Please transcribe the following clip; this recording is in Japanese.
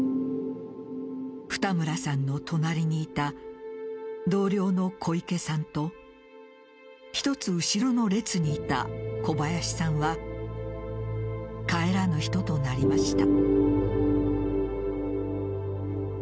二村さんの隣にいた同僚の小池さんと１つ後ろの列にいた小林さんは帰らぬ人となりました。